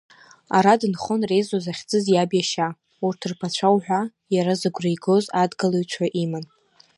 Ара дынхон Резо захьӡыз иаб иашьа, урҭ рԥацәа уҳәа иара зыгәра игоз адгалаҩцәа иман.